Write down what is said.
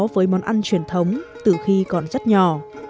với món ăn truyền thống từ khi còn rất nhỏ